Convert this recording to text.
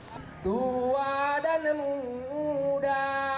tua dan muda